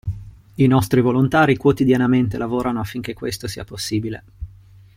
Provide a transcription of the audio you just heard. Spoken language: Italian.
I nostri volontari quotidianamente lavorano affinché questo sia possibile.